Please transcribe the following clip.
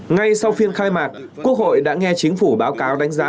ngay sau phiên khai mạc quốc hội đã nghe chính phủ báo cáo đánh giá